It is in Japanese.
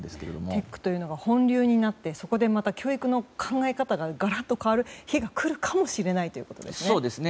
テックというのが本流になって、教育の考え方が変わる日が来るかもしれないということですね。